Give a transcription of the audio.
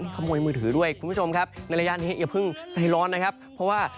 ขโมยมือถือด้วยคุณผู้ชมครับในระยะนี้อย่าเพิ่งใจร้อนนะครับเพราะว่า